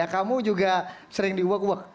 kamu juga sering di uok uok